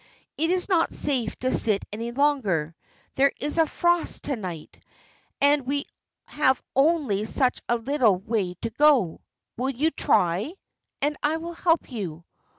"It is not safe to sit any longer. There is a frost to night, and we have only such a little way to go. Will you try? and I will help you."